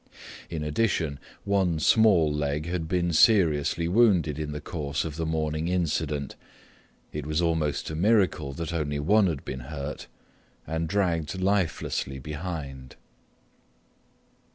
In addition, one small leg had been seriously wounded in the course of the morning incident—it was almost a miracle that only one had been hurt—and dragged lifelessly behind.